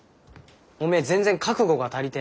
おめえ全然覚悟が足りてねえ。